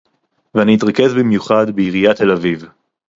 ואני אתרכז במיוחד בעיריית תל-אביב